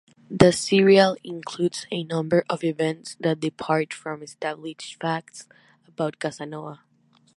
The serial includes a number of events that depart from established facts about Casanova.